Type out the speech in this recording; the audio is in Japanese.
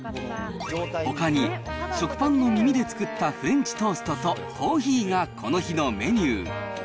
ほかに、食パンの耳で作ったフレンチトーストとコーヒーがこの日のメニュー。